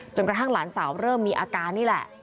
กระทั่งหลานสาวเริ่มมีอาการนี่แหละ